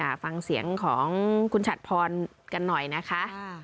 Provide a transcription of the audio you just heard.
ฟังเสียงของคุณฉัดพรกันหน่อยนะคะ